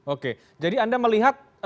oke jadi anda melihat